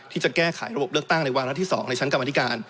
ที่จะแก้ไขระบบเลือกตั้งในวาระที่๒ในชั้นกรรมธิการ